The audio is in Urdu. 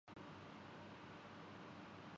میں ذرا مصروف ہوں۔